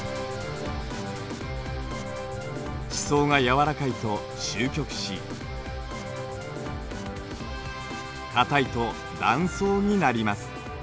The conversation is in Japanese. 地層が柔らかいとしゅう曲し硬いと断層になります。